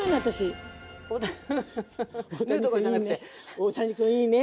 大谷くんいいね。